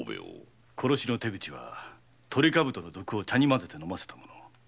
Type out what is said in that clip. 殺しの手口はトリカブトの毒を茶に混ぜて飲ませたもの。